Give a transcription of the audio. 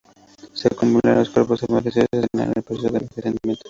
Se acumulan en cuerpos envejecidos y aceleran el proceso de envejecimiento.